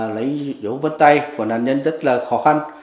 lấy dấu vấn tay của nạn nhân rất là khó khăn